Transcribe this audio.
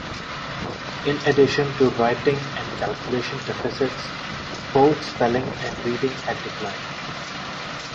In addition to writing and calculation deficits, both spelling and reading had declined.